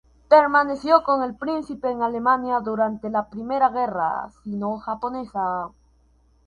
Permaneció con el príncipe en Alemania durante la Primera Guerra Sino-Japonesa.